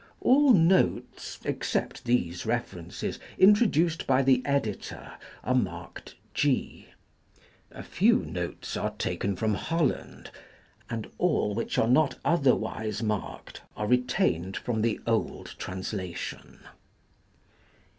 All notes (except these references) introduced by the editor are marked G. A few notes are taken from Holland ; and all which are not otherwise marked are retained from the old translation.